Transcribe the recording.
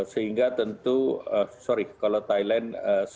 sehingga tentu sorry kalau thailand sebelas delapan